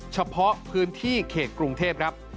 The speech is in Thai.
เฉพาะพื้นที่เขตกรุงเทพครับ